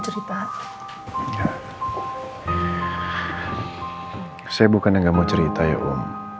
saya bukan yang gak mau cerita ya om